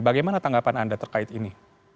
bagaimana tanggapan anda terkait ini